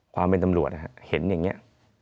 ความเป็นตำรวจเห็นอย่างนี้